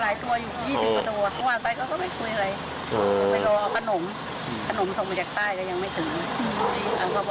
อย่าทำแบบนี้คนที่ทำไฟช็อตเนี่ยเดี๋ยวไปล่ะ